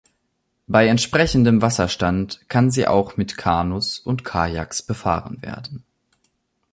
Bei entsprechendem Wasserstand kann sie auch mit Kanus und Kajaks befahren werden.